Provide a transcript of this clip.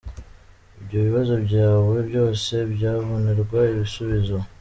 Ibyo bibazo byawe byose, byabonerwa ibisubizo.